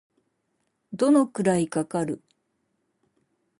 どのくらいかかる